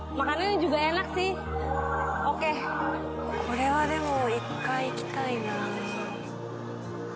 これはでも一回行きたいな。